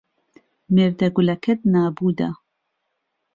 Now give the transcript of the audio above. مێرده گولهکهت نابووده